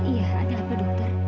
iya ada apa dokter